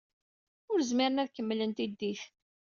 Ur zmiren ad kemmlen tiddit.